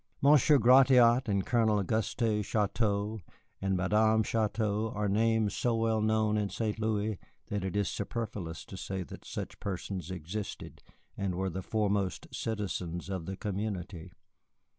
Monsieur Gratiot and Colonel Auguste Chouteau and Madame Chouteau are names so well known in St. Louis that it is superfluous to say that such persons existed and were the foremost citizens of the community.